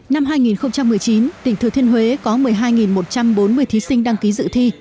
năm hai nghìn một mươi chín tỉnh thừa thiên huế có một mươi hai một trăm bốn mươi thí sinh đăng ký dự thi